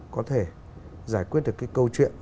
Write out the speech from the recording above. có thể giải quyết được cái câu chuyện